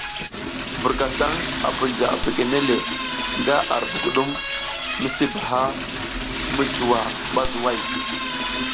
Burkataŋ a bunja begene le nga ar budugum misi baha mi juwa bazuway.